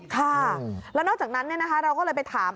ค่ะแล้วนอกจากนั้นเราก็เลยไปถาม